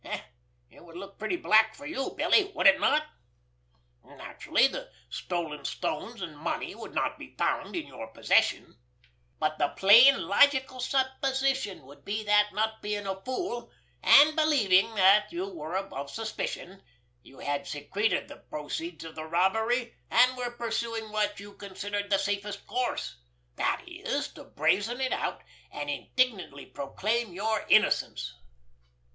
It would look pretty black for you, Billy, would it not? Naturally the stolen stones and money would not be found in your possession; but the plain, logical supposition would be that, not being a fool, and believing that you were above suspicion, you had secreted the proceeds of the robbery, and were pursuing what you considered the safest course—that is, to brazen it out and indignantly proclaim your innocence.